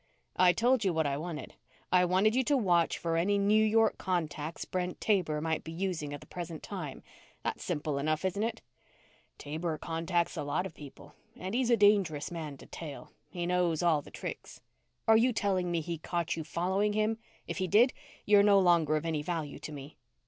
"I told you what I wanted. I wanted you to watch for any New York contacts Brent Taber might be using at the present time. That's simple enough, isn't it?" "Taber contacts a lot of people. And he's a dangerous man to tail. He knows all the tricks." "Are you telling me he caught you following him? If he did, you're no longer of any value to me."